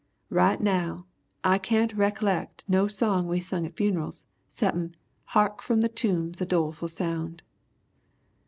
Right now I can't rekelleck no song we sung at funerals cep'n 'Hark from the tombs a doleful sound.'"